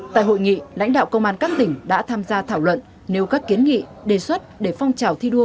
tại hội nghị lãnh đạo công an các tỉnh đã tham gia thảo luận nếu các kiến nghị đề xuất để phong trào thi đua